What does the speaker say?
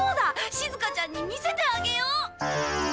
しずかちゃんに見せてあげよう。